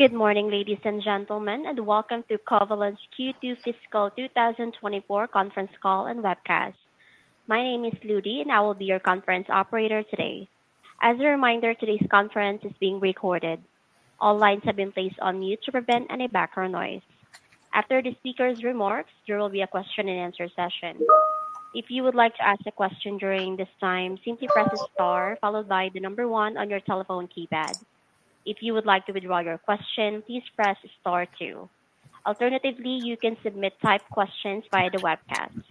Good morning, ladies and gentlemen, and welcome to Covalon's Q2 Fiscal 2024 conference call and webcast. My name is Ludy, and I will be your conference operator today. As a reminder, today's conference is being recorded. All lines have been placed on mute to prevent any background noise. After the speaker's remarks, there will be a question and answer session. If you would like to ask a question during this time, simply press star followed by one on your telephone keypad. If you would like to withdraw your question, please press star two Alternatively, you can submit typed questions via the webcast.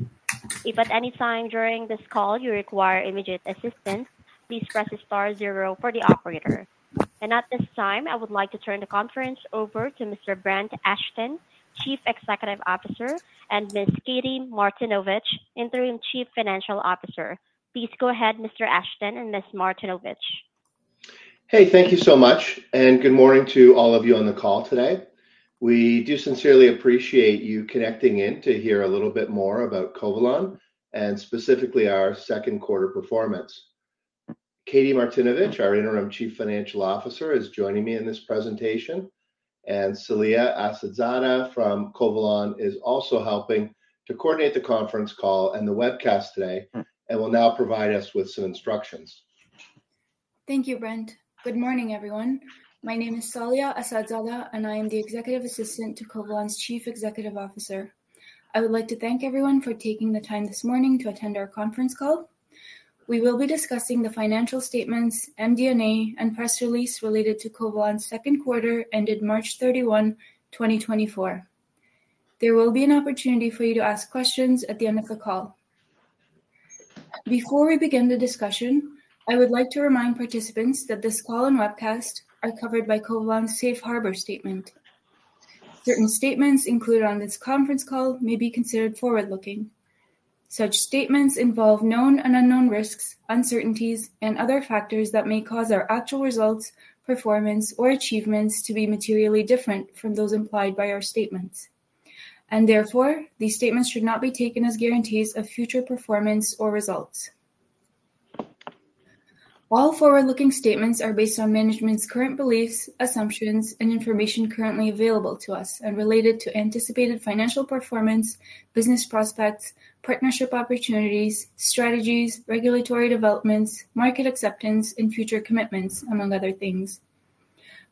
If at any time during this call you require immediate assistance, please press star zero for the operator. At this time, I would like to turn the conference over to Mr. Brent Ashton, Chief Executive Officer, and Ms. Katie Martinovich, Interim Chief Financial Officer. Please go ahead, Mr. Ashton and Ms. Martinovich. Hey, thank you so much, and good morning to all of you on the call today. We do sincerely appreciate you connecting in to hear a little bit more about Covalon and specifically our second quarter performance. Katie Martinovich, our interim Chief Financial Officer, is joining me in this presentation, and Saleha Assadzada from Covalon is also helping to coordinate the conference call and the webcast today and will now provide us with some instructions. Thank you, Brent. Good morning, everyone. My name is Saleha Assadzada, and I am the executive assistant to Covalon's Chief Executive Officer. I would like to thank everyone for taking the time this morning to attend our conference call. We will be discussing the financial statements, MD&A, and press release related to Covalon's second quarter, ended March 31, 2024. There will be an opportunity for you to ask questions at the end of the call. Before we begin the discussion, I would like to remind participants that this call and webcast are covered by Covalon's Safe Harbor statement. Certain statements included on this conference call may be considered forward-looking. Such statements involve known and unknown risks, uncertainties, and other factors that may cause our actual results, performance, or achievements to be materially different from those implied by our statements, and therefore, these statements should not be taken as guarantees of future performance or results. All forward-looking statements are based on management's current beliefs, assumptions, and information currently available to us and related to anticipated financial performance, business prospects, partnership opportunities, strategies, regulatory developments, market acceptance, and future commitments, among other things.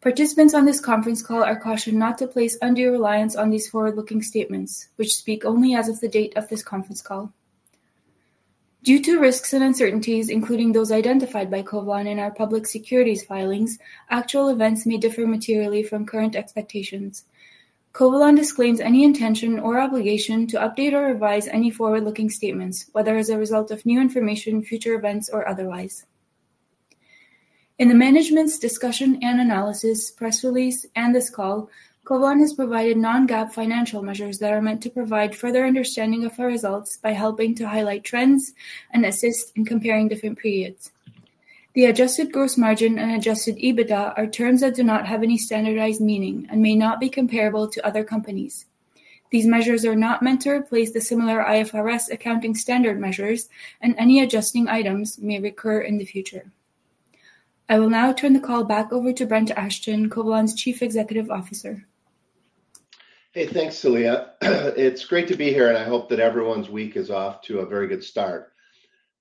Participants on this conference call are cautioned not to place undue reliance on these forward-looking statements, which speak only as of the date of this conference call. Due to risks and uncertainties, including those identified by Covalon in our public securities filings, actual events may differ materially from current expectations. Covalon disclaims any intention or obligation to update or revise any forward-looking statements, whether as a result of new information, future events, or otherwise. In the management's discussion and analysis, press release, and this call, Covalon has provided non-GAAP financial measures that are meant to provide further understanding of our results by helping to highlight trends and assist in comparing different periods. The adjusted gross margin and Adjusted EBITDA are terms that do not have any standardized meaning and may not be comparable to other companies. These measures are not meant to replace the similar IFRS accounting standard measures, and any adjusting items may recur in the future. I will now turn the call back over to Brent Ashton, Covalon's Chief Executive Officer. Hey, thanks, Saleha. It's great to be here, and I hope that everyone's week is off to a very good start.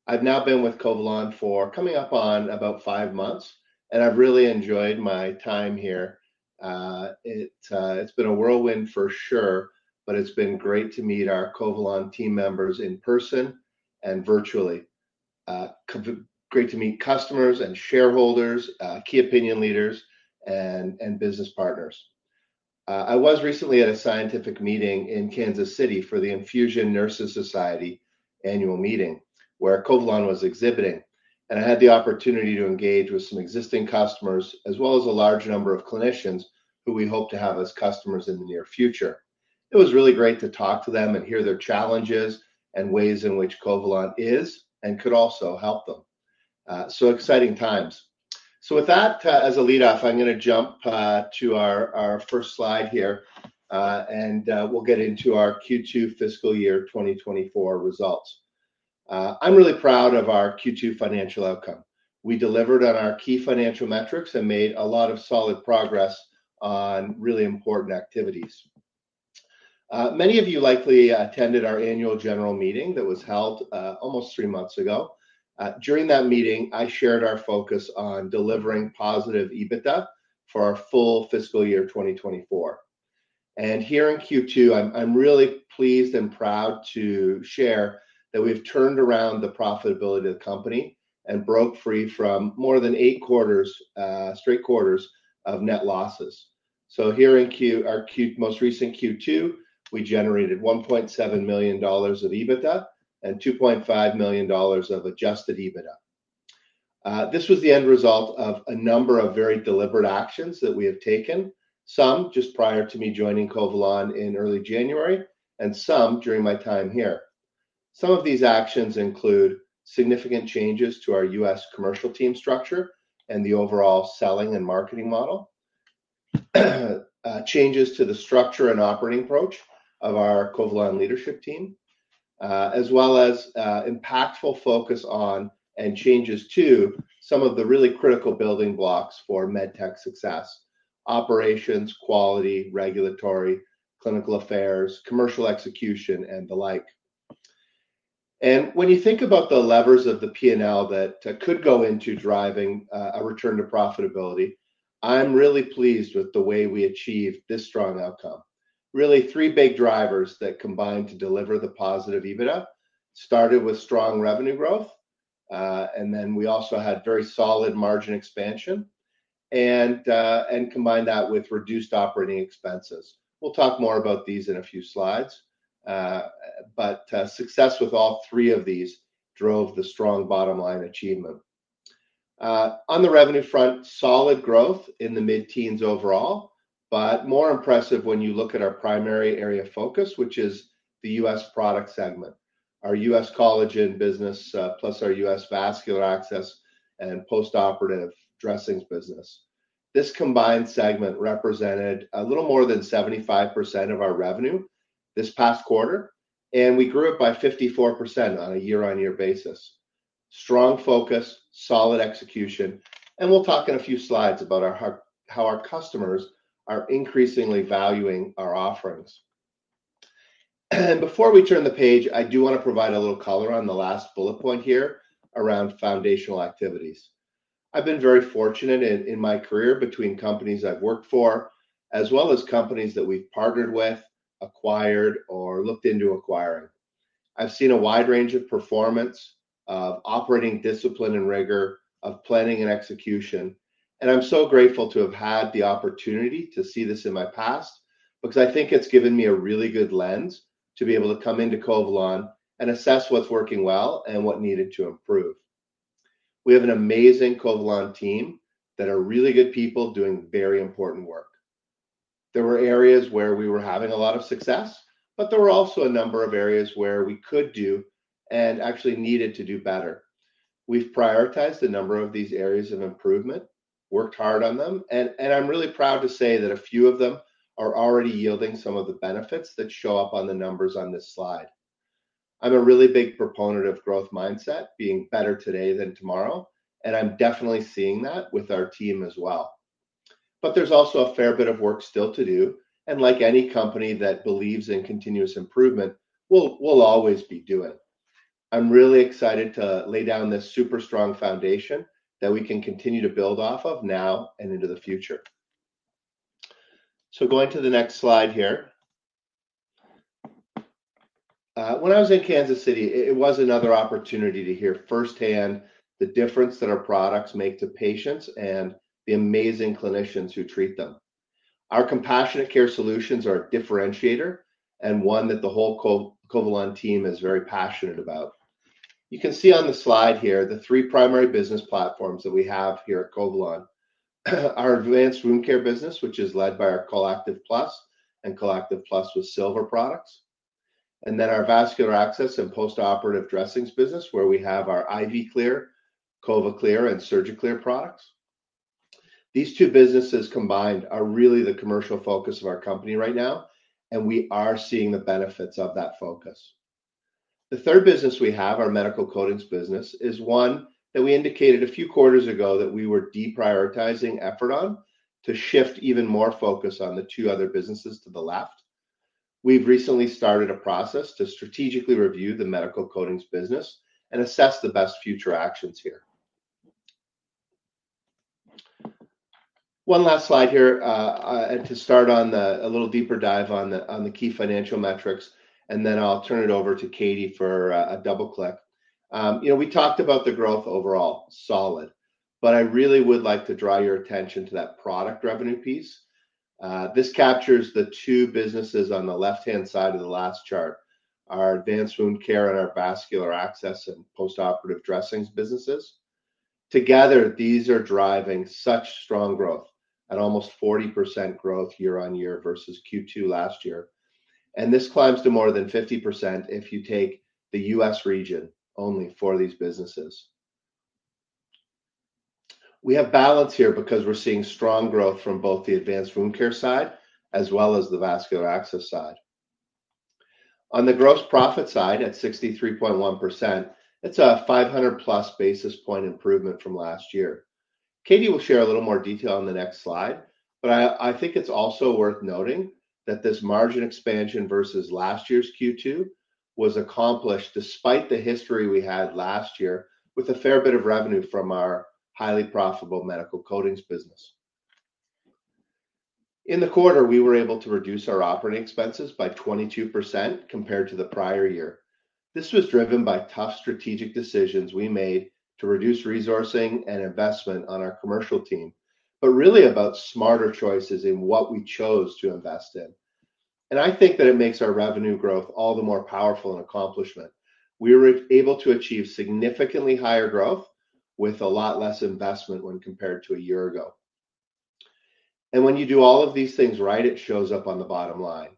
I've now been with Covalon for coming up on about five months, and I've really enjoyed my time here. It's been a whirlwind for sure, but it's been great to meet our Covalon team members in person and virtually. Great to meet customers and shareholders, key opinion leaders and business partners. I was recently at a scientific meeting in Kansas City for the Infusion Nurses Society annual meeting, where Covalon was exhibiting, and I had the opportunity to engage with some existing customers, as well as a large number of clinicians who we hope to have as customers in the near future. It was really great to talk to them and hear their challenges and ways in which Covalon is and could also help them. So exciting times. So with that, as a lead-off, I'm gonna jump to our first slide here, and we'll get into our Q2 fiscal year 2024 results. I'm really proud of our Q2 financial outcome. We delivered on our key financial metrics and made a lot of solid progress on really important activities. Many of you likely attended our annual general meeting that was held almost three months ago. During that meeting, I shared our focus on delivering positive EBITDA for our full fiscal year 2024. Here in Q2, I'm really pleased and proud to share that we've turned around the profitability of the company and broke free from more than eight straight quarters of net losses. So here in our most recent Q2, we generated 1.7 million dollars of EBITDA and 2.5 million dollars of Adjusted EBITDA. This was the end result of a number of very deliberate actions that we have taken, some just prior to me joining Covalon in early January and some during my time here. Some of these actions include significant changes to our U.S. commercial team structure and the overall selling and marketing model, changes to the structure and operating approach of our Covalon leadership team. As well as impactful focus on and changes to some of the really critical building blocks for med tech success: operations, quality, regulatory, clinical affairs, commercial execution, and the like. And when you think about the levers of the P&L that could go into driving a return to profitability, I'm really pleased with the way we achieved this strong outcome. Really, three big drivers that combined to deliver the positive EBITDA, started with strong revenue growth, and then we also had very solid margin expansion, and combined that with reduced operating expenses. We'll talk more about these in a few slides. But success with all three of these drove the strong bottom line achievement. On the revenue front, solid growth in the mid-teens overall, but more impressive when you look at our primary area of focus, which is the U.S. product segment, our U.S. collagen business, plus our U.S. vascular access and postoperative dressings business. This combined segment represented a little more than 75% of our revenue this past quarter, and we grew it by 54% on a year-on-year basis. Strong focus, solid execution, and we'll talk in a few slides about how our customers are increasingly valuing our offerings. Before we turn the page, I do want to provide a little color on the last bullet point here around foundational activities. I've been very fortunate in my career between companies I've worked for, as well as companies that we've partnered with, acquired, or looked into acquiring. I've seen a wide range of performance, of operating discipline and rigor, of planning and execution, and I'm so grateful to have had the opportunity to see this in my past, because I think it's given me a really good lens to be able to come into Covalon and assess what's working well and what needed to improve. We have an amazing Covalon team that are really good people doing very important work. There were areas where we were having a lot of success, but there were also a number of areas where we could do, and actually needed to do, better. We've prioritized a number of these areas of improvement, worked hard on them, and, and I'm really proud to say that a few of them are already yielding some of the benefits that show up on the numbers on this slide. I'm a really big proponent of growth mindset, being better today than tomorrow, and I'm definitely seeing that with our team as well. But there's also a fair bit of work still to do, and like any company that believes in continuous improvement, we'll always be doing. I'm really excited to lay down this super strong foundation that we can continue to build off of now and into the future. So going to the next slide here. When I was in Kansas City, it was another opportunity to hear firsthand the difference that our products make to patients and the amazing clinicians who treat them. Our compassionate care solutions are a differentiator and one that the whole Covalon team is very passionate about. You can see on the slide here the three primary business platforms that we have here at Covalon. Our advanced wound care business, which is led by our ColActive Plus and ColActive Plus with Silver products, and then our vascular access and postoperative dressings business, where we have our IV Clear, CovaClear, and SurgiClear products. These two businesses combined are really the commercial focus of our company right now, and we are seeing the benefits of that focus. The third business we have, our medical coatings business, is one that we indicated a few quarters ago that we were deprioritizing effort on to shift even more focus on the two other businesses to the left. We've recently started a process to strategically review the medical coatings business and assess the best future actions here. One last slide here, to start on the key financial metrics, and then I'll turn it over to Katie for a double-click. You know, we talked about the growth overall, solid, but I really would like to draw your attention to that product revenue piece. This captures the two businesses on the left-hand side of the last chart, our advanced wound care and our vascular access and postoperative dressings businesses. Together, these are driving such strong growth at almost 40% growth year-on-year versus Q2 last year. This climbs to more than 50% if you take the U.S. region only for these businesses. We have balance here because we're seeing strong growth from both the advanced wound care side as well as the vascular access side. On the gross profit side, at 63.1%, it's a 500+ basis point improvement from last year. Katie will share a little more detail on the next slide, but I think it's also worth noting that this margin expansion versus last year's Q2 was accomplished despite the history we had last year with a fair bit of revenue from our highly profitable medical coatings business. In the quarter, we were able to reduce our operating expenses by 22% compared to the prior year. This was driven by tough strategic decisions we made to reduce resourcing and investment on our commercial team, but really about smarter choices in what we chose to invest in. And I think that it makes our revenue growth all the more powerful an accomplishment. We were able to achieve significantly higher growth with a lot less investment when compared to a year ago. And when you do all of these things right, it shows up on the bottom line.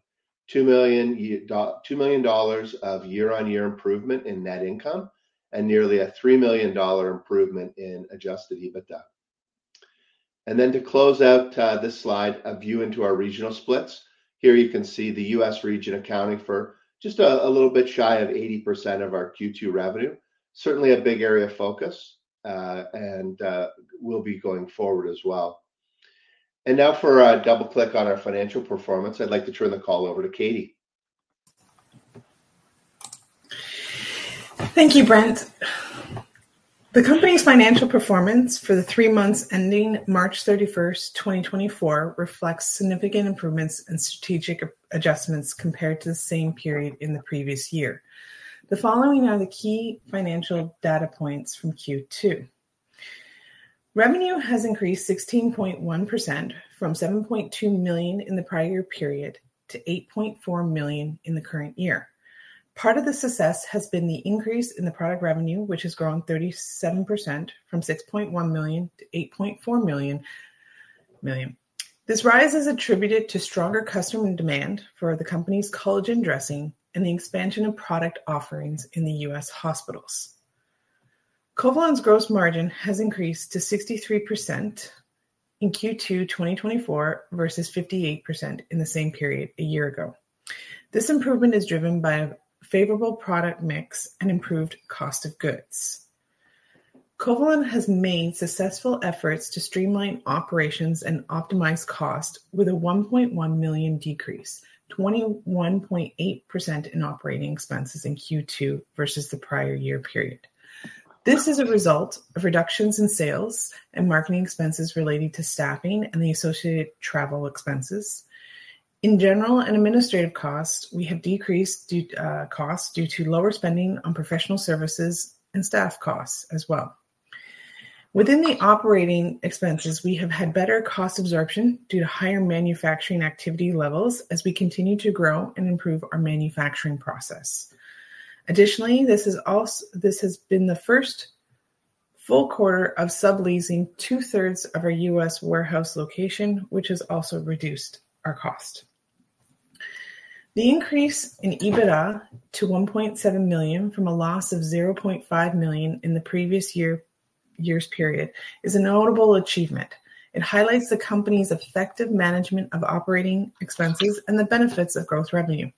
Two million dollars of year-on-year improvement in net income, and nearly a 3 million dollar improvement in Adjusted EBITDA. And then to close out this slide, a view into our regional splits. Here you can see the U.S. region accounting for just a little bit shy of 80% of our Q2 revenue. Certainly a big area of focus, and will be going forward as well. And now for a double click on our financial performance, I'd like to turn the call over to Katie. Thank you, Brent. The company's financial performance for the three months ending March 31st, 2024, reflects significant improvements in strategic adjustments compared to the same period in the previous year. The following are the key financial data points from Q2. Revenue has increased 16.1% from 7.2 million in the prior year period to 8.4 million in the current year. Part of the success has been the increase in the product revenue, which has grown 37% from 6.1 million to 8.4 million. This rise is attributed to stronger customer demand for the company's collagen dressing and the expansion of product offerings in the U.S. hospitals. Covalon's gross margin has increased to 63% in Q2 2024 versus 58% in the same period a year ago. This improvement is driven by a favorable product mix and improved cost of goods. Covalon has made successful efforts to streamline operations and optimize cost with a 1.1 million decrease, 21.8% in operating expenses in Q2 versus the prior year period. This is a result of reductions in sales and marketing expenses relating to staffing and the associated travel expenses. In general and administrative costs, we have decreased costs due to lower spending on professional services and staff costs as well. Within the operating expenses, we have had better cost absorption due to higher manufacturing activity levels as we continue to grow and improve our manufacturing process. Additionally, this has been the first full quarter of subleasing 2/3 our U.S. warehouse location, which has also reduced our cost. The increase in EBITDA to 1.7 million from a loss of 0.5 million in the previous year's period is a notable achievement. It highlights the company's effective management of operating expenses and the benefits of growth revenue.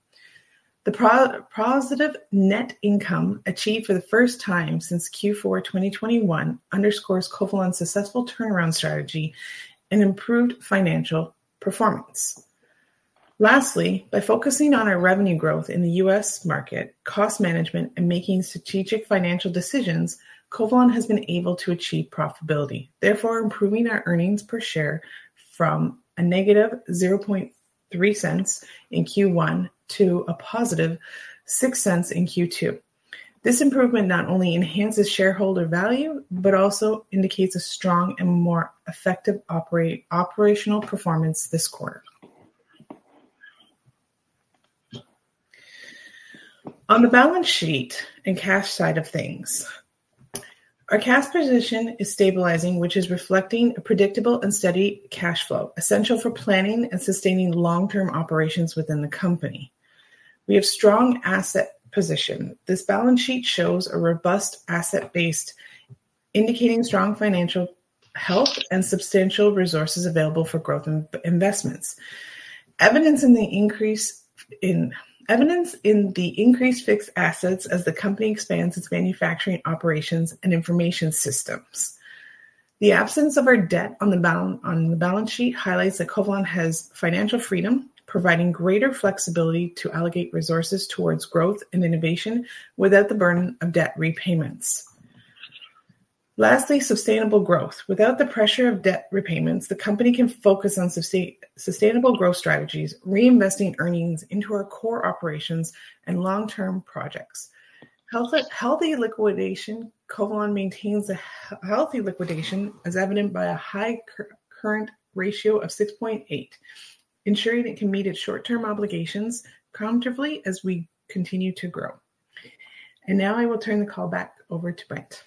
The positive net income achieved for the first time since Q4 2021 underscores Covalon's successful turnaround strategy and improved financial performance. Lastly, by focusing on our revenue growth in the U.S. market, cost management, and making strategic financial decisions, Covalon has been able to achieve profitability. Therefore, improving our earnings per share from a negative 0.003 in Q1 to a positive 0.06 in Q2. This improvement not only enhances shareholder value, but also indicates a strong and more effective operational performance this quarter. On the balance sheet and cash side of things, our cash position is stabilizing, which is reflecting a predictable and steady cash flow, essential for planning and sustaining long-term operations within the company. We have strong asset position. This balance sheet shows a robust asset base, indicating strong financial health and substantial resources available for growth and investments. Evidence in the increased fixed assets as the company expands its manufacturing operations and information systems. The absence of our debt on the balance sheet highlights that Covalon has financial freedom, providing greater flexibility to allocate resources towards growth and innovation without the burden of debt repayments. Lastly, sustainable growth. Without the pressure of debt repayments, the company can focus on sustainable growth strategies, reinvesting earnings into our core operations and long-term projects. Healthy liquidity, Covalon maintains a healthy liquidity, as evident by a high current ratio of 6.8, ensuring it can meet its short-term obligations comfortably as we continue to grow. Now I will turn the call back over to Brent.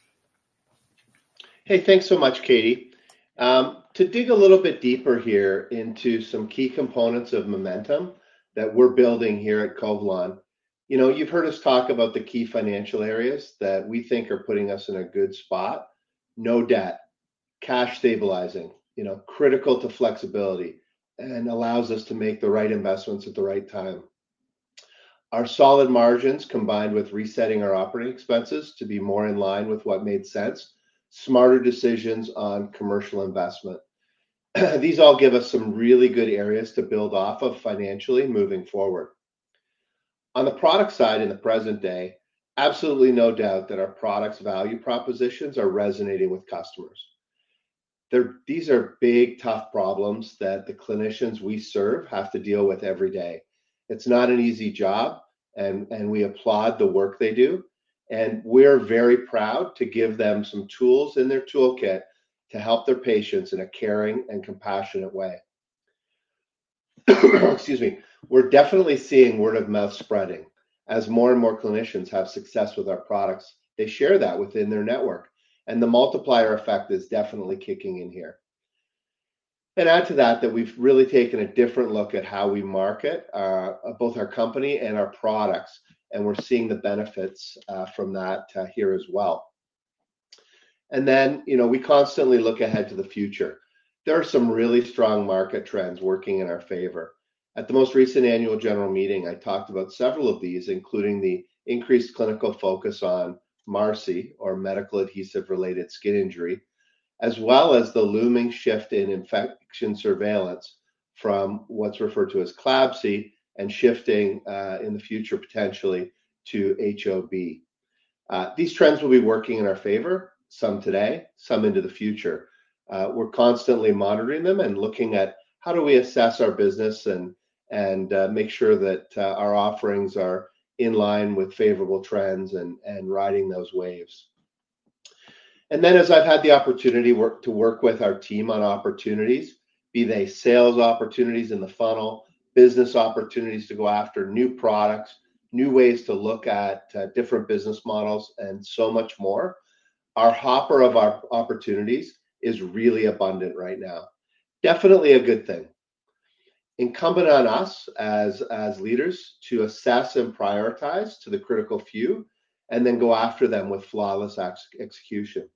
Hey, thanks so much, Katie. To dig a little bit deeper here into some key components of momentum that we're building here at Covalon, you know, you've heard us talk about the key financial areas that we think are putting us in a good spot. No debt, cash stabilizing, you know, critical to flexibility and allows us to make the right investments at the right time. Our solid margins, combined with resetting our operating expenses to be more in line with what made sense, smarter decisions on commercial investment, these all give us some really good areas to build off of financially moving forward. On the product side in the present day, absolutely no doubt that our products' value propositions are resonating with customers. They're. These are big, tough problems that the clinicians we serve have to deal with every day. It's not an easy job, and we applaud the work they do, and we're very proud to give them some tools in their toolkit to help their patients in a caring and compassionate way. Excuse me. We're definitely seeing word of mouth spreading. As more and more clinicians have success with our products, they share that within their network, and the multiplier effect is definitely kicking in here.... I'd add to that, that we've really taken a different look at how we market, both our company and our products, and we're seeing the benefits, from that, here as well. And then, you know, we constantly look ahead to the future. There are some really strong market trends working in our favor. At the most recent annual general meeting, I talked about several of these, including the increased clinical focus on MARSI, or Medical Adhesive-Related Skin Injury, as well as the looming shift in infection surveillance from what's referred to as CLABSI, and shifting in the future, potentially to HOB. These trends will be working in our favor, some today, some into the future. We're constantly monitoring them and looking at how do we assess our business and make sure that our offerings are in line with favorable trends and riding those waves. And then, as I've had the opportunity to work with our team on opportunities, be they sales opportunities in the funnel, business opportunities to go after new products, new ways to look at different business models, and so much more, our hopper of opportunities is really abundant right now. Definitely a good thing. Incumbent on us as, as leaders, to assess and prioritize to the critical few, and then go after them with flawless execution.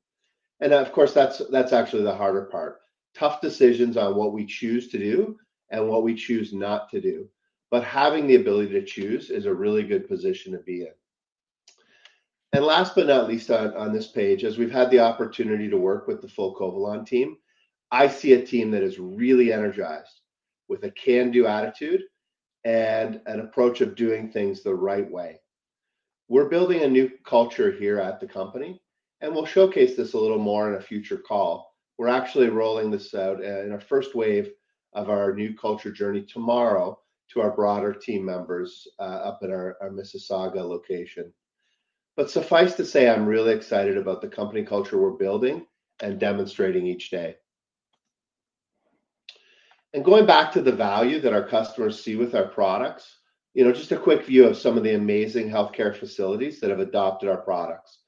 And, of course, that's, that's actually the harder part. Tough decisions on what we choose to do and what we choose not to do. But having the ability to choose is a really good position to be in. And last but not least, on, on this page, as we've had the opportunity to work with the full Covalon team, I see a team that is really energized, with a can-do attitude and an approach of doing things the right way. We're building a new culture here at the company, and we'll showcase this a little more in a future call. We're actually rolling this out in our first wave of our new culture journey tomorrow to our broader team members up at our Mississauga location. But suffice to say, I'm really excited about the company culture we're building and demonstrating each day. Going back to the value that our customers see with our products, you know, just a quick view of some of the amazing healthcare facilities that have adopted our products.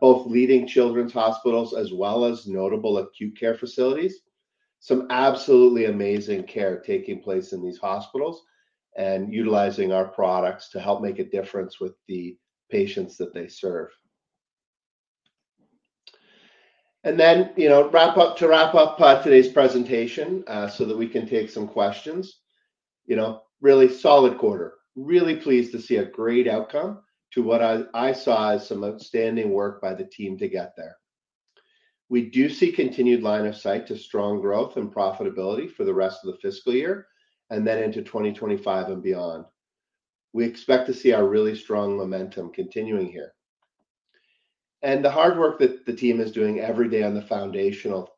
Both leading children's hospitals as well as notable acute care facilities. Some absolutely amazing care taking place in these hospitals and utilizing our products to help make a difference with the patients that they serve. Then, you know, to wrap up today's presentation so that we can take some questions. You know, really solid quarter. Really pleased to see a great outcome to what I, I saw as some outstanding work by the team to get there. We do see continued line of sight to strong growth and profitability for the rest of the fiscal year, and then into 2025 and beyond. We expect to see our really strong momentum continuing here. And the hard work that the team is doing every day on the foundational,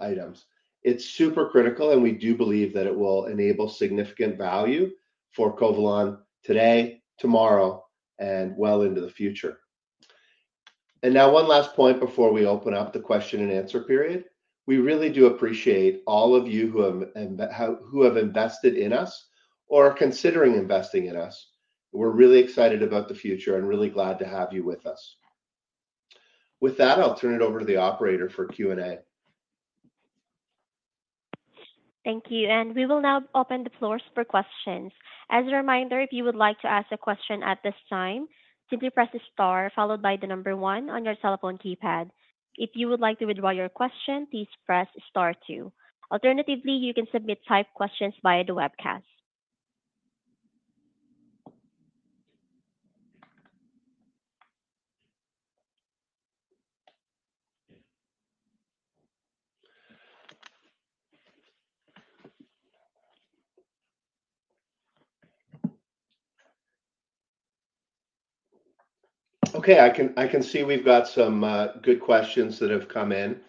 items, it's super critical, and we do believe that it will enable significant value for Covalon today, tomorrow, and well into the future. And now, one last point before we open up the question and answer period. We really do appreciate all of you who have who have invested in us or are considering investing in us. We're really excited about the future and really glad to have you with us. With that, I'll turn it over to the operator for Q&A. Thank you, and we will now open the floor for questions. As a reminder, if you would like to ask a question at this time, simply press star followed by the number one on your cellphone keypad. If you would like to withdraw your question, please press star two. Alternatively, you can submit typed questions via the webcast. Okay, I can see we've got some good questions that have come in.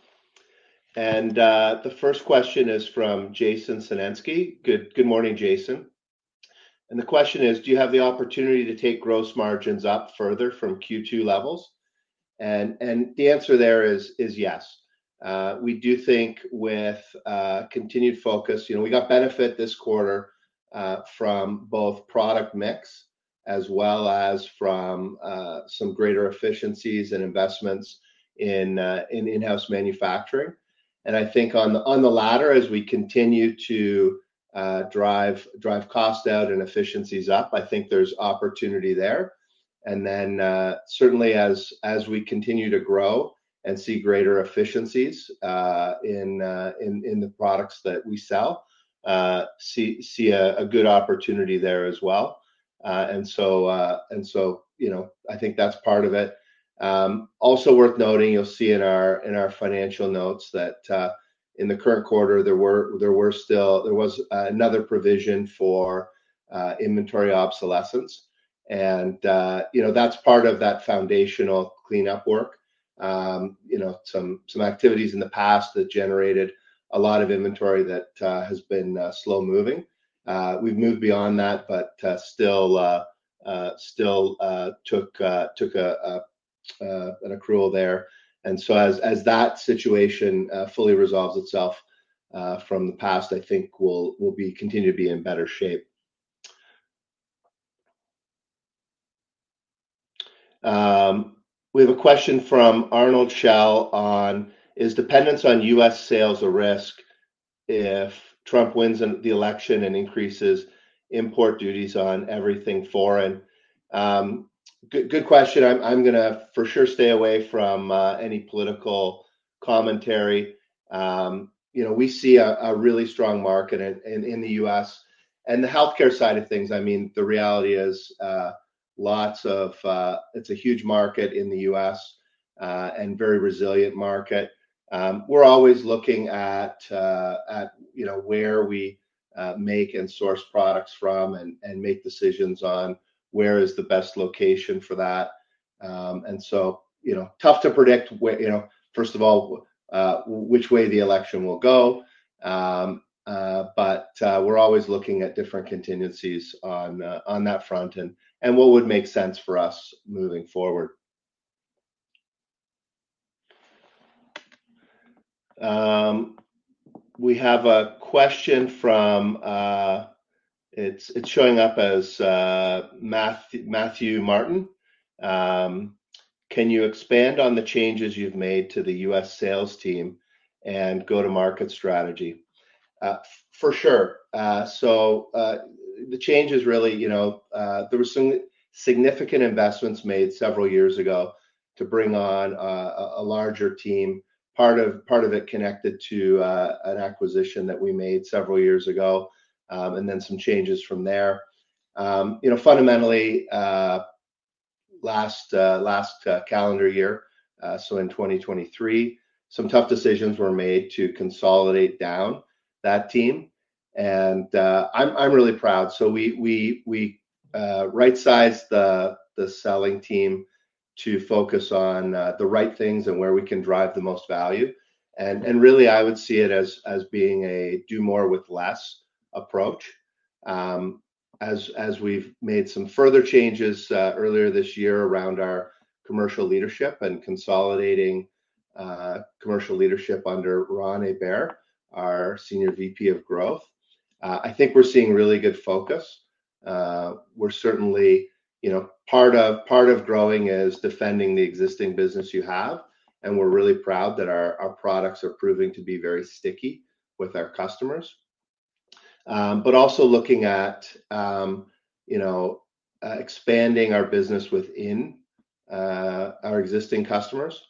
The first question is from Jason Senensky. Good morning, Jason. The question is: "Do you have the opportunity to take gross margins up further from Q2 levels?" The answer there is yes. We do think with continued focus. You know, we got benefit this quarter from both product mix as well as from some greater efficiencies and investments in in-house manufacturing. I think on the latter, as we continue to drive cost out and efficiencies up, I think there's opportunity there. Then, certainly as we continue to grow and see greater efficiencies in the products that we sell, see a good opportunity there as well. And so, you know, I think that's part of it. Also worth noting, you'll see in our financial notes that in the current quarter, there was another provision for inventory obsolescence. And, you know, that's part of that foundational cleanup work. You know, some activities in the past that generated a lot of inventory that has been slow-moving. We've moved beyond that, but still took an accrual there. And so as that situation fully resolves itself from the past, I think we'll continue to be in better shape. We have a question from Arnold Shell on: "Is dependence on U.S. sales a risk if Trump wins in the election and increases import duties on everything foreign?" Good, good question. I'm gonna for sure stay away from any political commentary. You know, we see a really strong market in the U.S. And the healthcare side of things, I mean, the reality is, it's a huge market in the U.S., and very resilient market. We're always looking at, you know, where we make and source products from, and make decisions on where is the best location for that. And so, you know, tough to predict where, you know, first of all, which way the election will go. But we're always looking at different contingencies on that front, and what would make sense for us moving forward. We have a question from... it's showing up as Matthew Martin: "Can you expand on the changes you've made to the U.S. sales team and go-to-market strategy?" For sure. So, the change is really, you know, there were some significant investments made several years ago to bring on a larger team, part of it connected to an acquisition that we made several years ago, and then some changes from there. You know, fundamentally, last calendar year, so in 2023, some tough decisions were made to consolidate down that team, and I'm really proud. So we right-sized the selling team to focus on the right things and where we can drive the most value. And really, I would see it as being a do more with less approach. As we've made some further changes earlier this year around our commercial leadership and consolidating commercial leadership under Ron Hebert, our Senior VP of Growth, I think we're seeing really good focus. We're certainly, you know, part of growing is defending the existing business you have, and we're really proud that our products are proving to be very sticky with our customers. But also looking at, you know, expanding our business within our existing customers,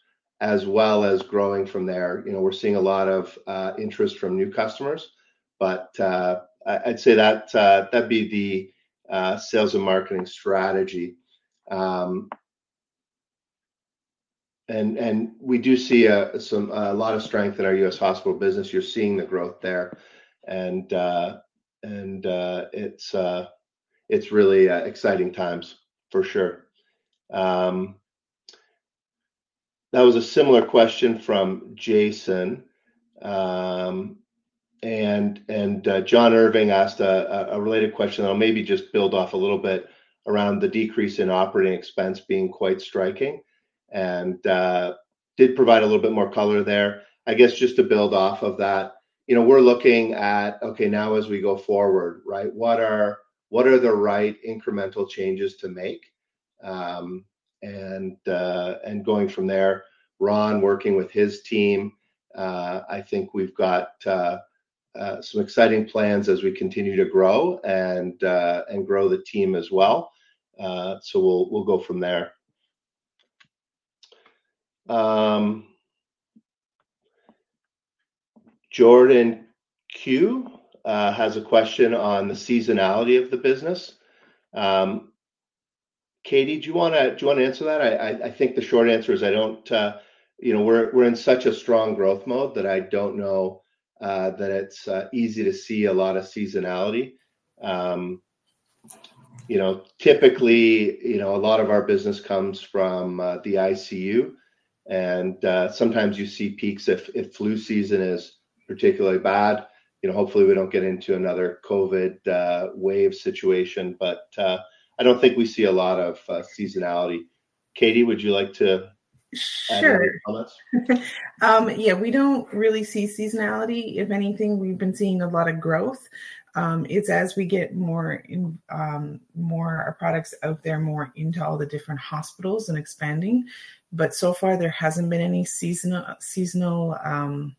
as well as growing from there. You know, we're seeing a lot of interest from new customers, but I'd say that that'd be the sales and marketing strategy. And we do see a lot of strength in our U.S. hospital business. You're seeing the growth there, and it's really exciting times for sure. That was a similar question from Jason. And John Irving asked a related question. I'll maybe just build off a little bit around the decrease in operating expense being quite striking, and did provide a little bit more color there. I guess just to build off of that, you know, we're looking at, okay, now as we go forward, right, what are the right incremental changes to make? And going from there, Ron working with his team, I think we've got some exciting plans as we continue to grow and grow the team as well. So we'll go from there. Jordan Q has a question on the seasonality of the business. Katie, do you wanna answer that? I think the short answer is, I don't... you know, we're in such a strong growth mode that I don't know that it's easy to see a lot of seasonality. You know, typically, you know, a lot of our business comes from the ICU, and sometimes you see peaks if flu season is particularly bad. You know, hopefully, we don't get into another COVID wave situation, but I don't think we see a lot of seasonality. Katie, would you like to- Sure Add on this? Yeah, we don't really see seasonality. If anything, we've been seeing a lot of growth. It's as we get more in, more our products out there, more into all the different hospitals and expanding. But so far, there hasn't been any seasonality,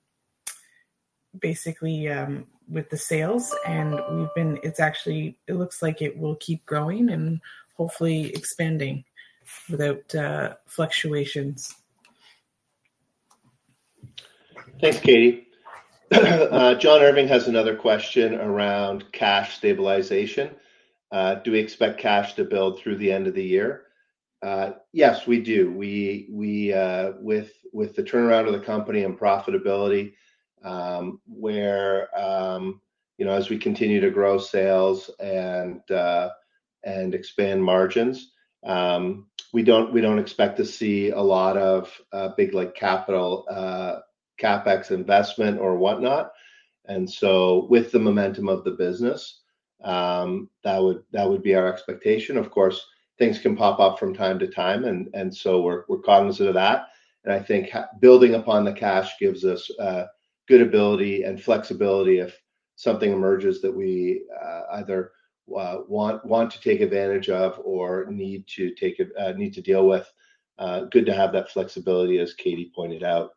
basically, with the sales. It's actually it looks like it will keep growing and hopefully expanding without fluctuations. Thanks, Katie. John Irving has another question around cash stabilization: Do we expect cash to build through the end of the year? Yes, we do. With the turnaround of the company and profitability, where you know, as we continue to grow sales and expand margins, we don't expect to see a lot of big like capital CapEx investment or whatnot. And so with the momentum of the business, that would be our expectation. Of course, things can pop up from time to time, and so we're cognizant of that, and I think building upon the cash gives us good ability and flexibility if Something emerges that we either want to take advantage of or need to deal with, good to have that flexibility, as Katie pointed out.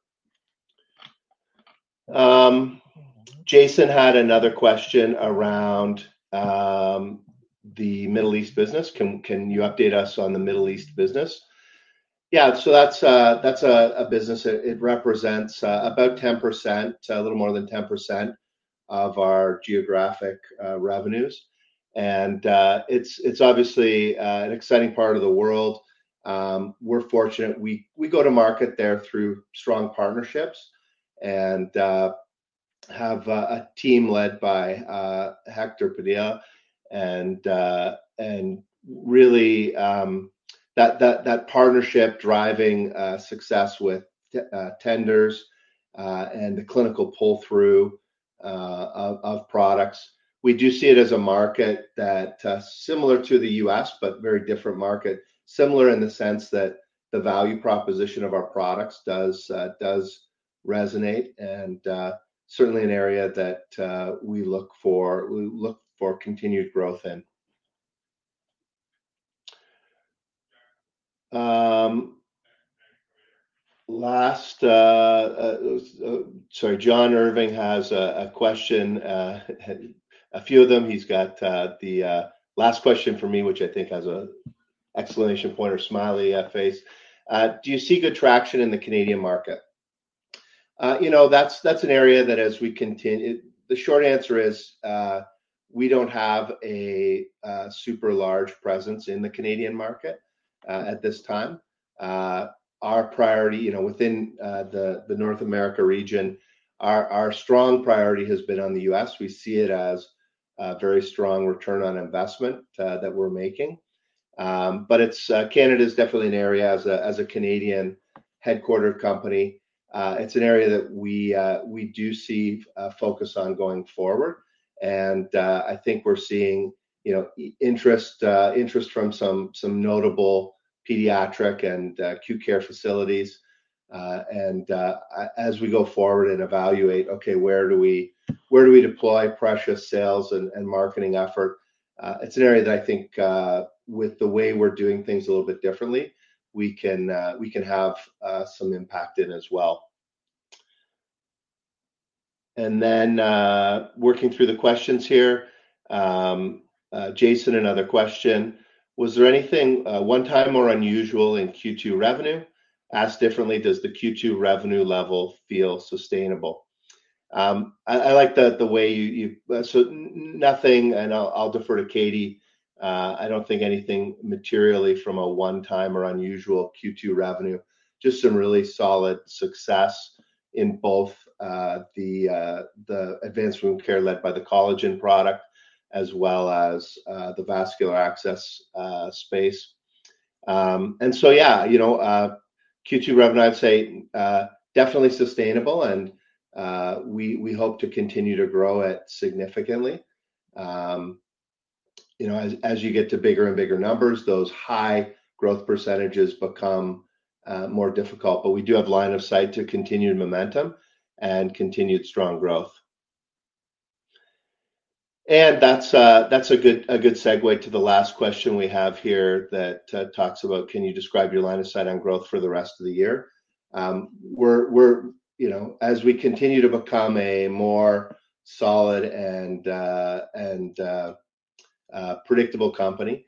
Jason had another question around the Middle East business. "Can you update us on the Middle East business?" Yeah, so that's a business that it represents about 10%, a little more than 10% of our geographic revenues. And it's obviously an exciting part of the world. We're fortunate we go to market there through strong partnerships, and have a team led by Hector Padilla. And really, that partnership driving success with tenders, and the clinical pull-through of products. We do see it as a market that, similar to the U.S., but very different market. Similar in the sense that the value proposition of our products does, does resonate, and, certainly an area that, we look for - we look for continued growth in. Sorry, John Irving has a, a question. A few of them. He's got, the, last question for me, which I think has a exclamation point or smiley face. "Do you see good traction in the Canadian market?" You know, that's, that's an area that as we continue... The short answer is, we don't have a, super large presence in the Canadian market, at this time. Our priority, you know, within, the, the North America region, our, our strong priority has been on the U.S. We see it as a very strong return on investment that we're making. But it's... Canada is definitely an area, as a Canadian headquartered company, it's an area that we do see a focus on going forward. And I think we're seeing, you know, interest from some notable pediatric and acute care facilities. And as we go forward and evaluate, okay, where do we deploy precious sales and marketing effort? It's an area that I think, with the way we're doing things a little bit differently, we can have some impact in as well. And then, working through the questions here, Jason, another question: "Was there anything one time or unusual in Q2 revenue? Asked differently, does the Q2 revenue level feel sustainable? I like the way you so nothing, and I'll defer to Katie. I don't think anything materially from a one-time or unusual Q2 revenue, just some really solid success in both the advanced wound care led by the collagen product, as well as the vascular access space. And so yeah, you know, Q2 revenue, I'd say, definitely sustainable, and we hope to continue to grow it significantly. You know, as you get to bigger and bigger numbers, those high growth percentages become more difficult. But we do have line of sight to continued momentum and continued strong growth. That's a good segue to the last question we have here that talks about: "Can you describe your line of sight on growth for the rest of the year?" We're, you know, as we continue to become a more solid and predictable company,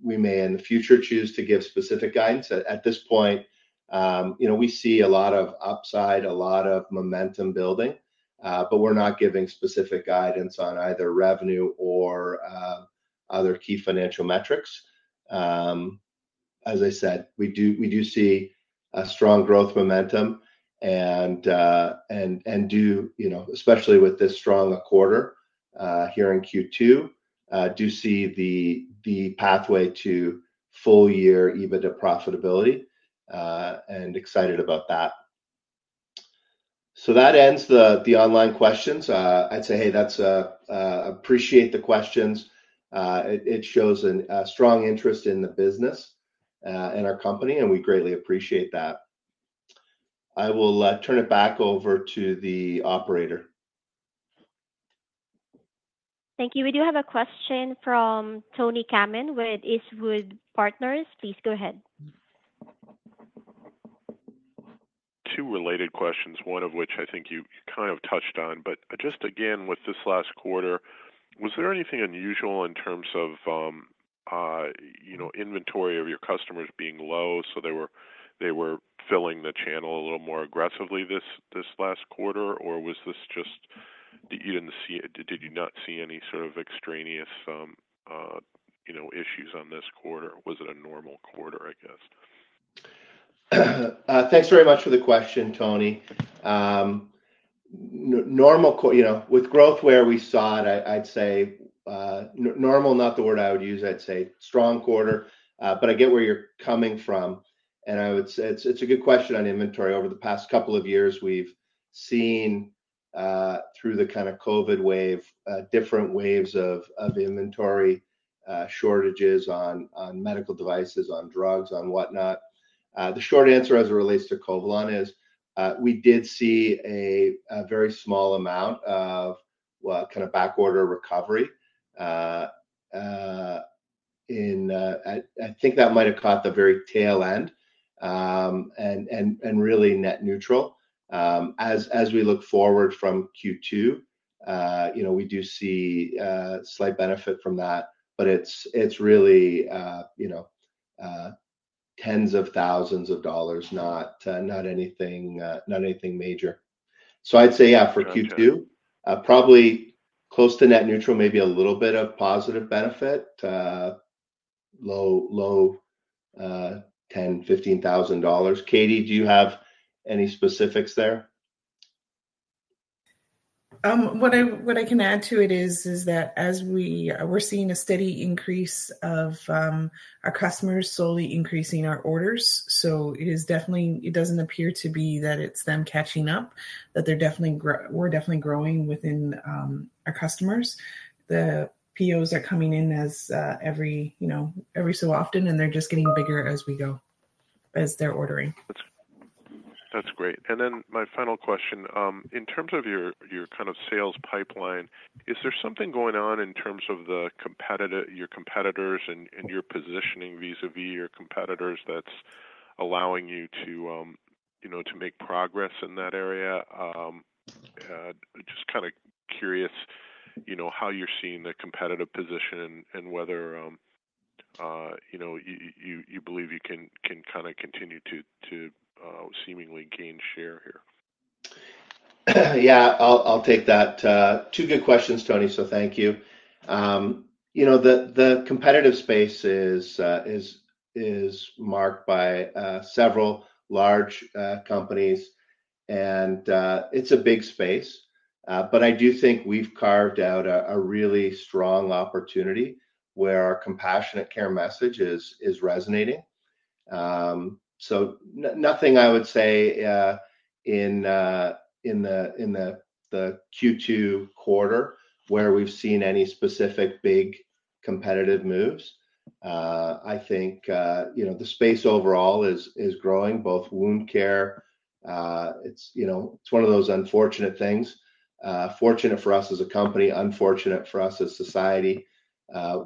we may, in the future, choose to give specific guidance. At this point, you know, we see a lot of upside, a lot of momentum building, but we're not giving specific guidance on either revenue or other key financial metrics. As I said, we do see a strong growth momentum and do, you know, especially with this strong quarter here in Q2, do see the pathway to full year EBITDA profitability, and excited about that. So that ends the online questions. I'd say, hey, that's appreciate the questions. It shows a strong interest in the business and our company, and we greatly appreciate that. I will turn it back over to the operator. Thank you. We do have a question from Tony Kamin with Eastwood Partners. Please go ahead. Mm. Two related questions, one of which I think you kind of touched on, but just again, with this last quarter, was there anything unusual in terms of, you know, inventory of your customers being low, so they were filling the channel a little more aggressively this last quarter? Or was this just that you didn't see... Did you not see any sort of extraneous, you know, issues on this quarter? Was it a normal quarter, I guess? Thanks very much for the question, Tony. You know, with growth where we saw it, I'd say normal not the word I would use. I'd say strong quarter, but I get where you're coming from, and I would say it's a good question on inventory. Over the past couple of years, we've seen through the kind of COVID wave different waves of inventory shortages on medical devices, on drugs, on whatnot. The short answer as it relates to Covalon is we did see a very small amount of well, kind of back order recovery. In, I think that might have caught the very tail end and really net neutral. As we look forward from Q2, you know, we do see slight benefit from that, but it's really, you know, tens of thousands of CAD, not anything major. So I'd say, yeah, for Q2, probably close to net neutral, maybe a little bit of positive benefit, low 10,000-15,000 dollars. Katie, do you have any specifics there? What I can add to it is that as we're seeing a steady increase of our customers slowly increasing our orders, so it is definitely. It doesn't appear to be that it's them catching up, that they're definitely we're definitely growing within our customers. The POs are coming in as every, you know, every so often, and they're just getting bigger as we go, as they're ordering. That's, that's great. And then my final question, in terms of your kind of sales pipeline, is there something going on in terms of the competitors and your positioning vis-à-vis your competitors that's allowing you to, you know, to make progress in that area? Just kinda curious, you know, how you're seeing the competitive position and whether, you know, you believe you can kinda continue to seemingly gain share here? Yeah, I'll take that. Two good questions, Tony, so thank you. You know, the competitive space is marked by several large companies, and it's a big space. But I do think we've carved out a really strong opportunity where our compassionate care message is resonating. So nothing I would say in the Q2 quarter where we've seen any specific big competitive moves. I think you know, the space overall is growing, both wound care. It's you know, it's one of those unfortunate things, fortunate for us as a company, unfortunate for us as society,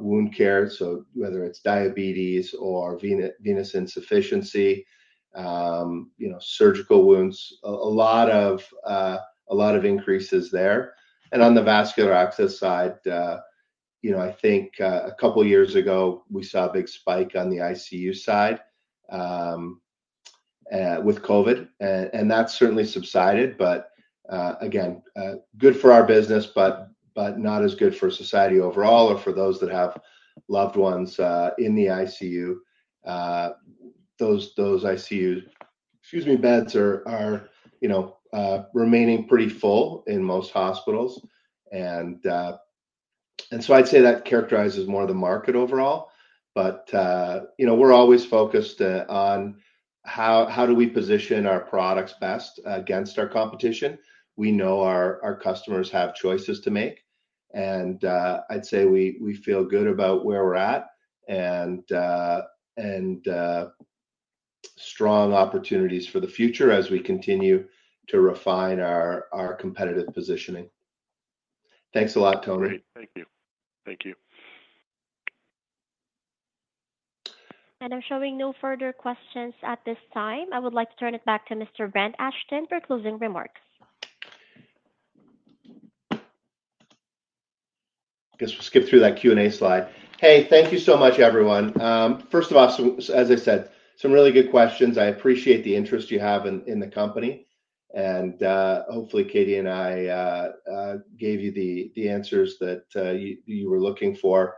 wound care, so whether it's diabetes or venous insufficiency, you know, surgical wounds, a lot of increases there. And on the vascular access side, you know, I think, a couple of years ago, we saw a big spike on the ICU side, with COVID, and that's certainly subsided, but, again, good for our business, but not as good for society overall or for those that have loved ones in the ICU. Those ICU, excuse me, beds are, you know, remaining pretty full in most hospitals, and so I'd say that characterizes more of the market overall. But, you know, we're always focused on how do we position our products best against our competition. We know our customers have choices to make, and I'd say we feel good about where we're at, and strong opportunities for the future as we continue to refine our competitive positioning. Thanks a lot, Tony. Great. Thank you. Thank you. I'm showing no further questions at this time. I would like to turn it back to Mr. Brent Ashton for closing remarks. Guess we'll skip through that Q&A slide. Hey, thank you so much, everyone. First of all, so as I said, some really good questions. I appreciate the interest you have in the company, and hopefully, Katie and I gave you the answers that you were looking for.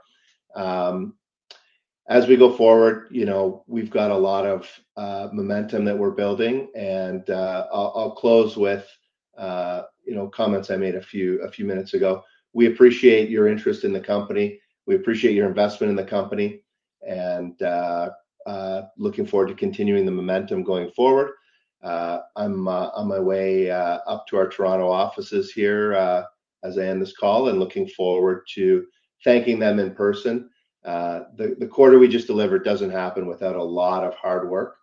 As we go forward, you know, we've got a lot of momentum that we're building, and I'll close with you know, comments I made a few minutes ago. We appreciate your interest in the company. We appreciate your investment in the company, and looking forward to continuing the momentum going forward. I'm on my way up to our Toronto offices here as I end this call, and looking forward to thanking them in person. The quarter we just delivered doesn't happen without a lot of hard work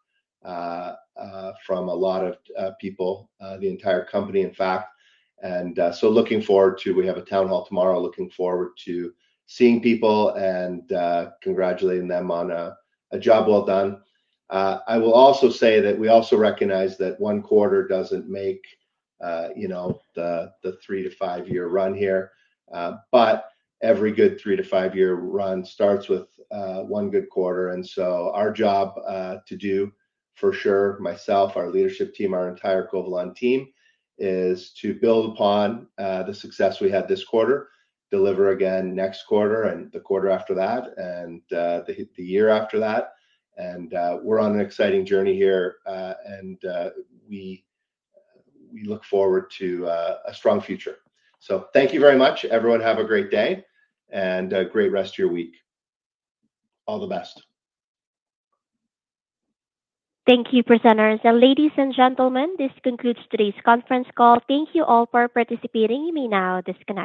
from a lot of people, the entire company, in fact. And so looking forward to... We have a town hall tomorrow, looking forward to seeing people and congratulating them on a job well done. I will also say that we also recognize that one quarter doesn't make, you know, the three-to-five-year run here. But every good three-to-five-year run starts with one good quarter, and so our job to do, for sure, myself, our leadership team, our entire Covalon team, is to build upon the success we had this quarter, deliver again next quarter and the quarter after that, and the year after that. We're on an exciting journey here, and we look forward to a strong future. Thank you very much, everyone. Have a great day and a great rest of your week. All the best. Thank you, presenters. Ladies and gentlemen, this concludes today's conference call. Thank you all for participating. You may now disconnect.